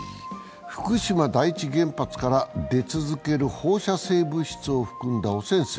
福島第一原発から出続ける放射性物質を含んだ汚染水。